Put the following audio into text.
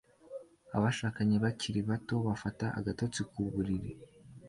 Abashakanye bakiri bato bafata agatotsi ku buriri